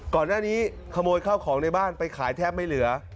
ก่อนหน้านี้ขโมยข้าวของในบ้านไปขายแทบไม่เหลือ